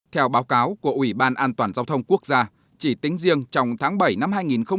theo báo cáo của ủy ban an toàn giao thông quốc gia chỉ tính riêng trong tháng bảy năm hai nghìn một mươi chín